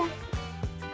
ada beda banget